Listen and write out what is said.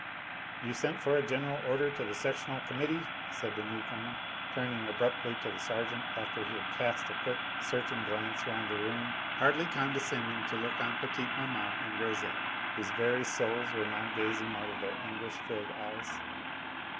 "You sent for a general order to the sectional Committee," said the new comer, turning abruptly to the sergeant after he had cast a quick, searching glance round the room, hardly condescending to look on petite maman and Rosette, whose very souls were now gazing out of their anguish filled eyes.